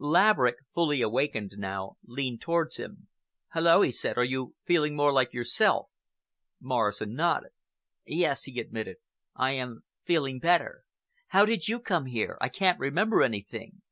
Laverick, fully awakened now, leaned towards him. "Hullo," he said, "are you feeling more like yourself?" Morrison nodded. "Yes," he admitted, "I am feeling—better. How did you come here? I can't remember anything."